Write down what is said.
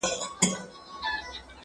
ساینسپوهان د ځنګلي ونو خطر ارزوي.